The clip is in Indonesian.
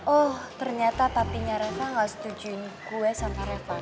oh ternyata papinya reva gak setujuin gue sama reva